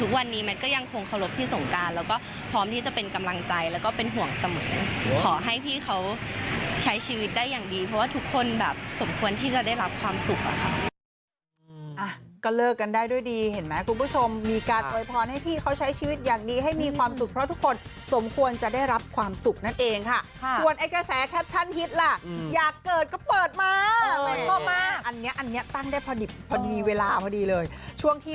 กับพี่สงสัยหลุมกับพี่สงสัยหลุมกับพี่สงสัยหลุมกับพี่สงสัยหลุมกับพี่สงสัยหลุมกับพี่สงสัยหลุมกับพี่สงสัยหลุมกับพี่สงสัยหลุมกับพี่สงสัยหลุมกับพี่สงสัยหลุมกับพี่สงสัยหลุมกับพี่สงสัยหลุมกับพี่สงสัยหลุมกับพี่สงสัยหลุมกับพี่สงสัย